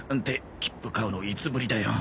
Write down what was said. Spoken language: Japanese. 切符買うのいつぶりだよ。